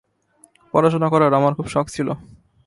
পড়াশোনা করার আমার খুব শখ ছিল।